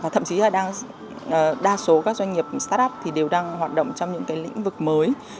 thậm chí là đa số các doanh nghiệp start up thì đều đang hoạt động trong những lĩnh vực mới